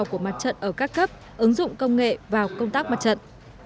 của mặt trận ở các cấp ứng dụng công nghệ vào công tác mặt trận